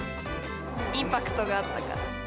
インパクトがあったから。